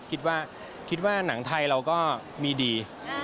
ขิดว่าหนังไทยเราก็มีดี